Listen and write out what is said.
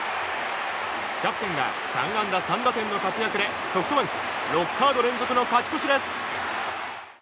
キャプテンが３安打３打点の活躍でソフトバンク６カード連続の勝ち越しです。